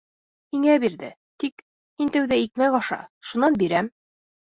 — Һиңә бирҙе, тик... һин тәүҙә икмәк аша, шунан бирәм.